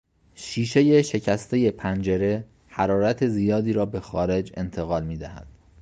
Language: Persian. شیشهی شکستهی پنجره حرارت زیادی را به خارج انتقال میدهد.